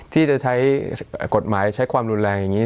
ที่จะใช้กฎหมายใช้ความรุนแรงอย่างนี้